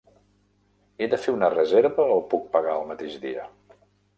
He de fer una reserva o puc pagar el mateix dia?